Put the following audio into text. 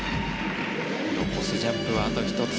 残すジャンプはあと１つ。